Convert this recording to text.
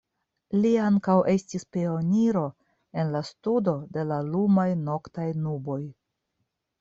Li ankaŭ estis pioniro en la studo de la lumaj noktaj nuboj.